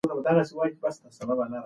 هغه د افغانستان د سرحدونو ساتونکی و.